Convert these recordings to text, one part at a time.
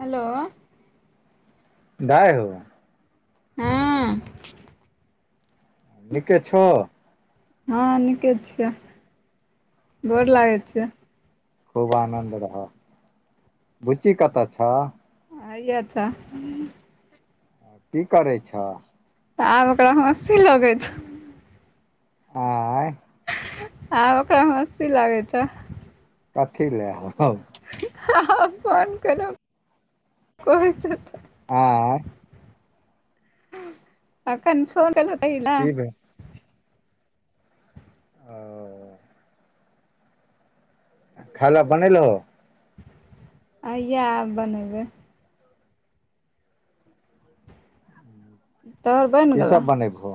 Hello दाय हो हँ निके छ हँ नीके छियै गैर लागैत छयै खूब आनंद रह बूचि कतऽ छ? [unintelligible] आ कि करै छह? तऽ आब ओकरा हस्सी लगैत छैय। आँय आ ओकरा मस्ती लागै छैय। पठि लै हेतै हँँ हँ फोन कल करै हेतै आँय अखन फोन केलव ताहि ला की भेल ओ खाय ल बनेलहो? अ आब बनेबै तोहर बनि ई गेलौ सब बनेबहो?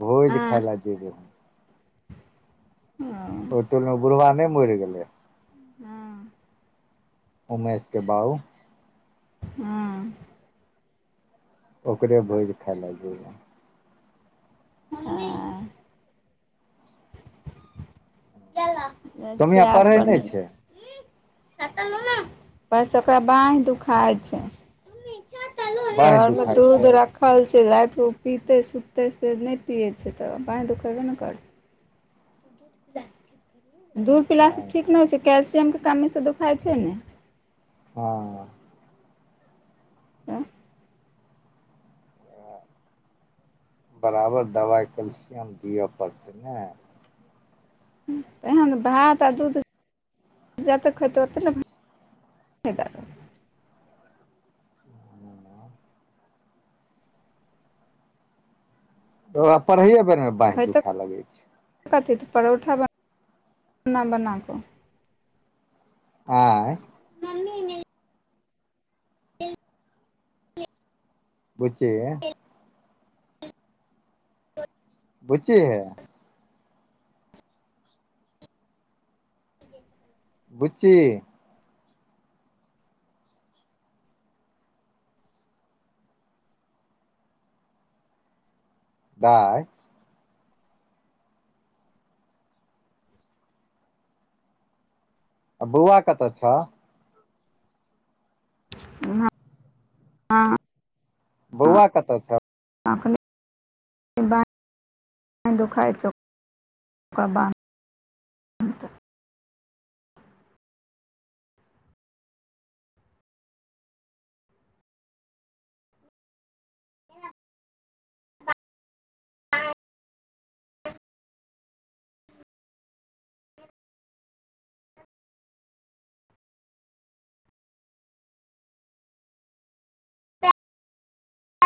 भोज हँ खाय ल जेब हम। हँ ओय टोल में बूढ़बा ने मरि गेलै। हँ उमेश के बाउ हँ ओकरे भोज खाय लए जइबऐ हँ सोमिया अच्छा पढ़ै अपन नहि छै बस ओकरा बाँहि दुखाय छैय। बाँहि घरमे दुखाइ दूध छै रखल छैय राइत ओ पितै सुखतै से नहि पियै छैय तऽ बाँहि दुखेबे ने करतै दूध पिलास से बाँहि, ठीक नहि होइ छैय। कैल्सियम के कमी से दुखाइ छैय ने हँ आ बराबर दबाइ कैल्सियम दिअ पड़तै ने एहन भात आ दूध [inaudible] जतेक खयतै ओतेक ने [unintelligible] ह ओकरा पढ़ैए बेरमे बाँहि खयतै दुखा लगै छैय। कथी त परोठा बना कऽ आँय बुच्ची [inaudible] बुच्ची हे बुच्ची दाई आ बौआ कतऽ छ? ह हँ बौआ कतऽ छ? अखने [unintelligible] धोखाइ छौव ओकरा बाद तऽ [unintelligible]